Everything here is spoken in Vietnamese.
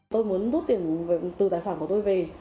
tôi muốn rút tiền từ tài khoản của tôi về